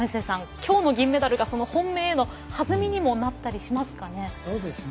きょうの銀メダルが本命へのはずみにもなったりしますかね？